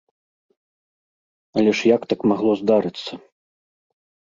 Але ж як так магло здарыцца?